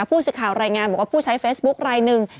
ผู้สื่อข่าวรายงานบอกว่าผู้ใช้เฟซบุ๊คลายหนึ่ง